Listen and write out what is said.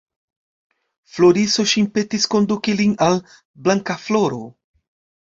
Floriso ŝin petis konduki lin al Blankafloro.